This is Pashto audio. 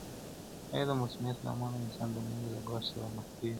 آیا د مسمومیت له امله انسان د مړینې له ګواښ سره مخ کیږي؟